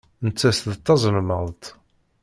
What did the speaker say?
Nettat d tazelmaḍt.